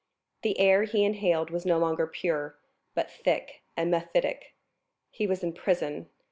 The air he inhaled was no longer pure, but thick and mephitic,—he was in prison.